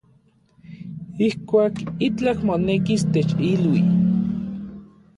Ijkuak itlaj monekis, techilui.